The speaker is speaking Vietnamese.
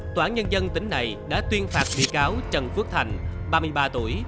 tnd tỉnh này đã tuyên phạt bị cáo trần phước thành ba mươi ba tuổi